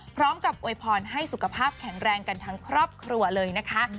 โวยพรให้สุขภาพแข็งแรงกันทั้งครอบครัวเลยนะคะ